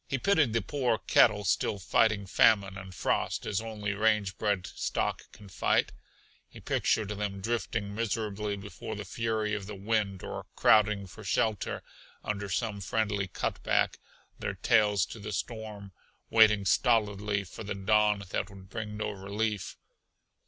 He pitied the poor cattle still fighting famine and frost as only range bred stock can fight. He pictured them drifting miserably before the fury of the wind or crowding for shelter under some friendly cutback, their tails to the storm, waiting stolidly for the dawn that would bring no relief.